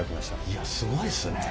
いやすごいですね。